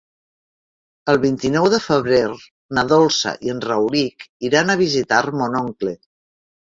El vint-i-nou de febrer na Dolça i en Rauric iran a visitar mon oncle.